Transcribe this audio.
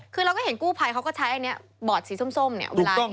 คือเราก็เห็นกู้ภัยเขาก็ใช้บอดสีส้มเวลาไปกู้ภัยต่าง